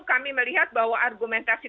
kami melihat bahwa argumentasi